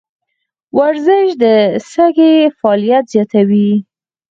ورزش د سږي فعالیت زیاتوي.